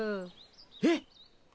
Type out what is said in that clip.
えっ？